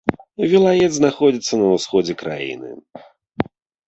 Вілает знаходзіцца на ўсходзе краіны.